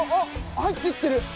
入ってってる！